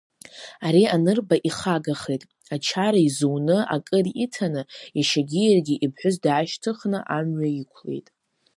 Ари анырба ихагахеит, ачара изуны, акыр иҭаны, иашьагьы иаргьы иԥҳәыс даашьҭыхны амҩа иқәлеит.